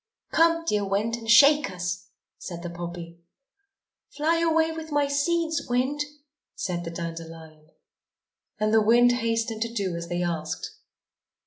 "Come, dear Wind, and shake us!" said the poppy. "Fly away with my seeds, Wind," said the dandelion. And the wind hastened to do as they asked.